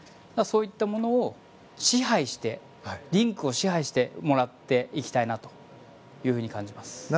そういったものを支配してリンクを支配してもらっていきたいなというふうに感じます。